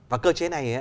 và cơ chế này